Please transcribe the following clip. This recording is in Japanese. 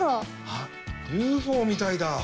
あっＵＦＯみたいだ。